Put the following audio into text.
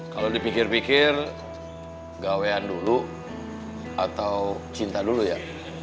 kalau dipikir pikir gawean dulu atau cinta dulu ya